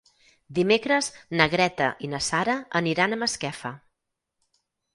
Dimecres na Greta i na Sara aniran a Masquefa.